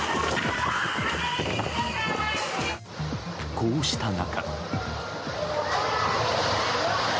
こうした中。